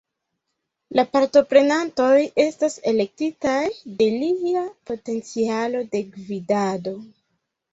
La partoprenantoj estas elektitaj de lia potencialo de gvidado.